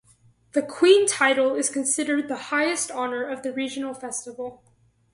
The Queen title is considered the highest honor of the regional festival.